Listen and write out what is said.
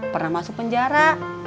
pernah masuk penjara